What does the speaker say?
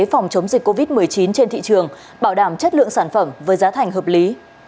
phòng chống dịch covid một mươi chín trên thị trường bảo đảm chất lượng sản phẩm với giá thành hợp lý